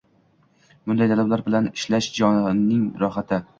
Bunday talabalar bilan ishlash — jonning rohati.